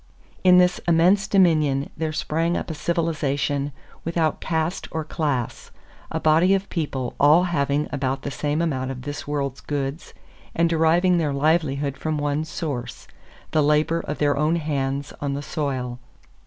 In this immense dominion there sprang up a civilization without caste or class a body of people all having about the same amount of this world's goods and deriving their livelihood from one source: the labor of their own hands on the soil.